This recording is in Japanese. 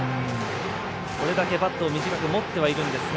これだけバットを短く持ってはいるんですが。